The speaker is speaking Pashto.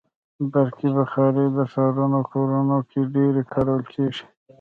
برقي بخاري د ښارونو کورونو کې ډېره کارول کېږي.